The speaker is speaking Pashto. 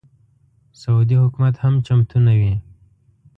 سعودي حکومت هم چمتو نه وي.